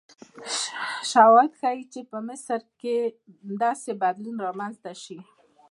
شواهد ښیي چې په مصر کې ښایي همداسې بدلون رامنځته شي.